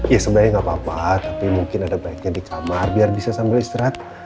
ya sebenarnya nggak apa apa tapi mungkin ada baiknya di kamar biar bisa sambil istirahat